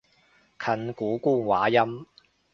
近古官話音